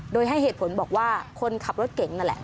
โดยให้เหตุผลบอกว่าคนขับรถเก่งนั่นแหละ